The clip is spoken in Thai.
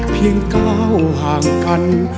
เพียงก้าวห่างกัน